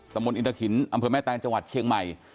มนตอินทะขินอำเภอแม่แตงจังหวัดเชียงใหม่